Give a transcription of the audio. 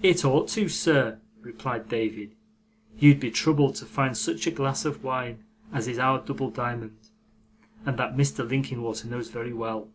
'It ought to, sir,' replied David. 'You'd be troubled to find such a glass of wine as is our double diamond, and that Mr. Linkinwater knows very well.